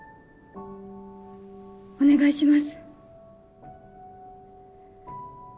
お願いします。